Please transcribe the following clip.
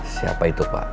siapa itu pak